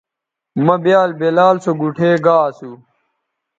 مہ بیال بلال سو گوٹھے گا اسو